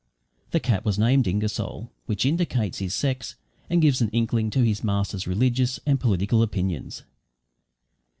The cat was named Ingersoll, which indicates his sex and gives an inkling to his master's religious and political opinions.